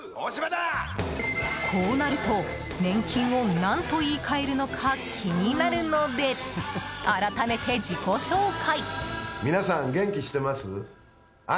こうなると、年金を何と言い換えるのか気になるので改めて自己紹介。